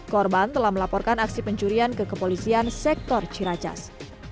korban telah melaporkan aksi pencurian ke kepolisian sektor ciracas